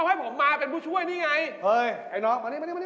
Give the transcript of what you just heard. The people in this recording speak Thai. มึงมาก็สายมึงก็ไม่อ่านอะไรมาเลย